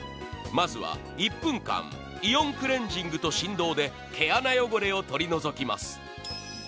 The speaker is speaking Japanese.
まずは１分間、イオンクレンジングと振動で毛穴汚れを取り除きます。